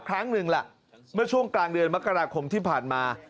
ครั้งหนึ่งล่ะเมื่อช่วงกลางเดือนมกราคมที่ผ่านมา